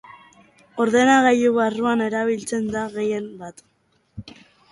Ordenagailu barruan erabiltzen da gehien bat.